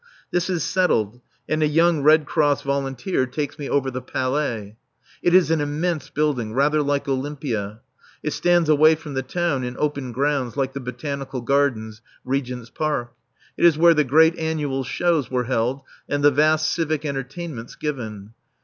This is settled, and a young Red Cross volunteer takes me over the Palais. It is an immense building, rather like Olympia. It stands away from the town in open grounds like the Botanical Gardens, Regent's Park. It is where the great Annual Shows were held and the vast civic entertainments given.